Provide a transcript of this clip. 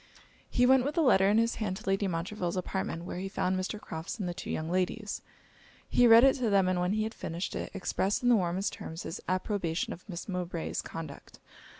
He went with the letter in his hand to Lady Montreville's apartment, where he found Mr. Crofts and the two young ladies. He read it to them; and when he had finished it, expressed in the warmest terms his approbation of Miss Mowbray's conduct.